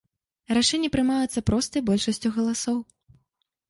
Рашэнні прымаюцца простай большасцю галасоў.